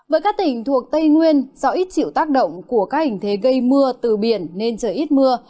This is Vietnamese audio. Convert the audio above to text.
với các tỉnh thuộc tây nguyên do ít chịu tác động của các hình thế gây mưa từ biển nên trời ít mưa